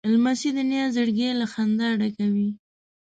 لمسی د نیا زړګی له خندا ډکوي.